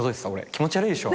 気持ち悪いでしょ？